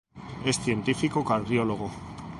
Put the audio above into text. Es Científico cardiólogo.